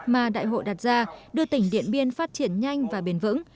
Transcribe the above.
mà đại hội đặt ra đưa tỉnh điện biên phát triển nhanh và bền vững